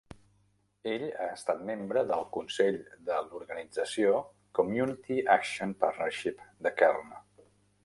Ell ha estat membre del consell de l'organització Community Action Partnership de Kern.